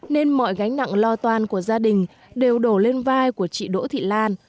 nên mọi gánh nặng lo toan của gia đình đều đổ lên vai của chị đỗ thị lan